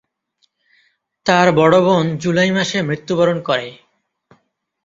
তার বড় বোন জুলাই মাসে মৃত্যুবরণ করে।